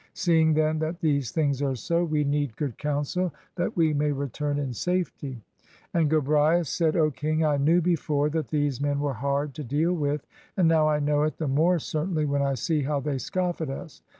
Seeing then that these things are so, we need good counsel that we may return in safety." And Gobryas said, " O King, I knew before that these men were hard to deal with; and now I know it the more certainly when I see how they scoff at us.